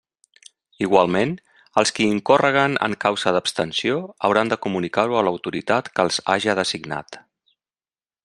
Igualment, els qui incórreguen en causa d'abstenció hauran de comunicar-ho a l'autoritat que els haja designat.